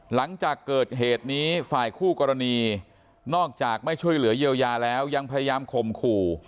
หลังจากเกิดเหตุนี้ฝ่ายคู่กรณีนอกจากไม่ช่วยเหลือเยียวยาแล้วยังพยายามข่มขู่